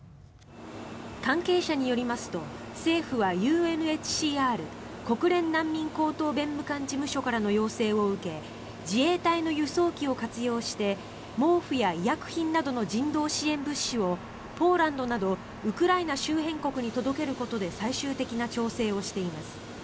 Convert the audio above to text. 関係者によりますと政府はＵＮＨＣＲ・国連難民高等弁務官事務所からの要請を受け自衛隊の輸送機を活用して毛布や医薬品などの人道支援物資をポーランドなどウクライナ周辺国に届けることで最終的な調整をしています。